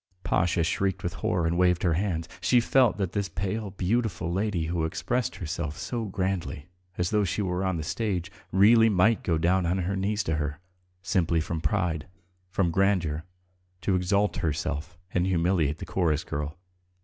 Pasha shrieked with horror and waved her hands. She felt that this pale, beautiful lady who expressed herself so grandly, as though she were on the stage, really might go down on her knees to her, simply from pride, from grandeur, to exalt herself and humiliate the chorus girl.